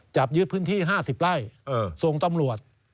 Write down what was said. ยึดพื้นที่๕๐ไร่ส่งตำรวจ